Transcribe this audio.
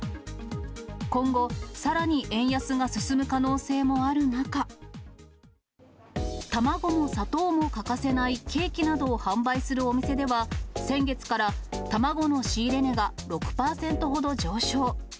今後、さらに円安が進む可能性もある中、卵も砂糖も欠かせないケーキなどを販売するお店では、先月から卵の仕入れ値が６％ほど上昇。